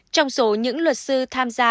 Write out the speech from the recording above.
trong số những luật sư tham gia